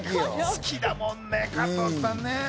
好きだもんね、加藤さん。